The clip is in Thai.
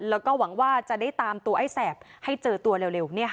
แล้วก็หวังว่าจะได้ตามตัวไอ้แสบให้เจอตัวเร็ว